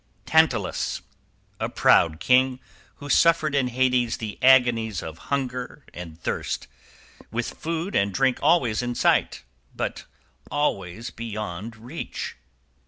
"=TANTALUS. A proud king, who suffered in Hades the agonies of hunger and thirst, with food and drink always in sight, but always beyond reach.